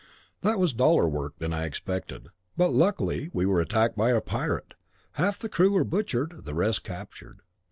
That was duller work than I expected; but luckily we were attacked by a pirate, half the crew were butchered, the rest captured.